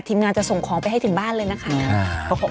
ทีมงานจะส่งของไปให้ถึงบ้านเลยนะคะ